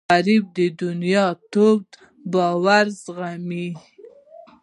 غریب د دنیا تود بادونه زغمي